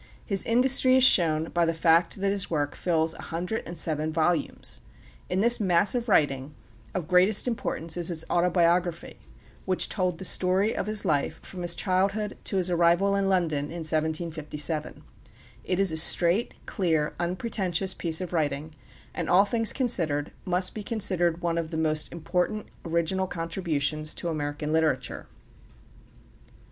His industry is shown by the fact that his work fills a hundred and seven volumes. In this mass of writing, of greatest importance is his Autobiography, which told the story of his life from his childhood to his arrival in London in 1757. It is a straight, clear, unpretentious piece of writing, and, all things considered, must be considered one of the most important original contributions to American literature.